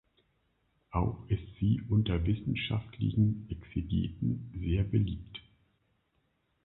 Auch ist sie unter wissenschaftlichen Exegeten sehr beliebt.